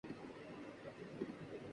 اس سے مستقبل میں کسی بھی بحران کو روکا